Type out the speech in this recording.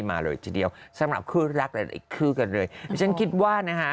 มาเลยทีเดียวสำหรับคู่รักและอีกคู่กันเลยดิฉันคิดว่านะฮะ